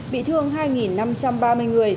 bị thương hai năm trăm chín mươi hai người